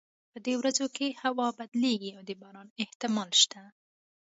په دې ورځو کې هوا بدلیږي او د باران احتمال شته